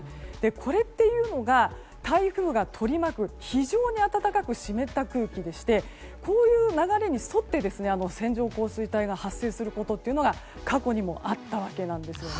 これというのが、台風が取り巻く非常に暖かく湿った空気でしてこういう流れに沿って線状降水帯が発生することが過去にもあったわけなんですよね。